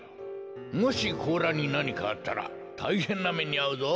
もしこうらになにかあったらたいへんなめにあうぞ。